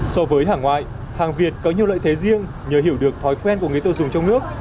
so với hàng ngoại hàng việt có nhiều lợi thế riêng nhờ hiểu được thói quen của người tiêu dùng trong nước